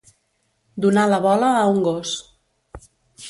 Donar la bola a un gos.